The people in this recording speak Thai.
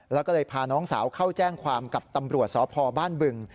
แล้วก็เลยพาน้องสาวเข้าแจ้งความกับตำรวจสพบ้านบึง